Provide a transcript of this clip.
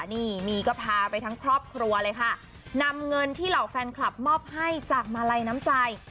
นี่มีก็พาไปทั้งครอบครัวเลยค่ะนำเงินที่เหล่าแฟนคลับมอบให้จากมาลัยน้ำใจ